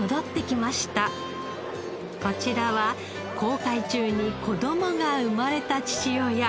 こちらは航海中に子供が生まれた父親。